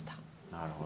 なるほど。